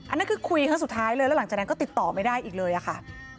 นั่นคือคุยครั้งสุดท้ายเลยแล้วหลังจากนั้นก็ติดต่อไม่ได้อีกเลยอะค่ะ